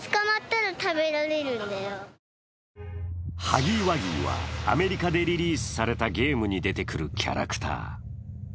ハギーワギーはアメリカでリリースされたゲームに出てくるキャラクター。